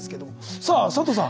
さあ佐藤さん